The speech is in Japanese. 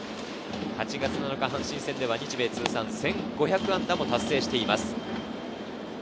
８月７日の阪神戦では日米通算１５００安打を達成しています。